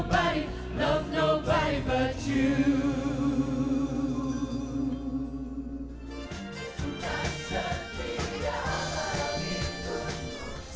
suka setiap hal itu